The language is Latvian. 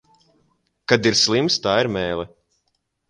Kad ir slims, tā ir mēle.